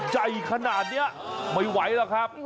ใหญ่ขนาดนี้ไม่ไหวหรอกครับ